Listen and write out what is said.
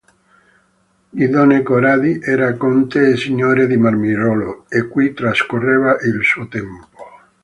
Guidone Corradi era conte e signore di Marmirolo e qui trascorreva il suo tempo.